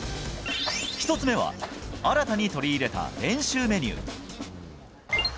１つ目は新たに取り入れた練習メニュー。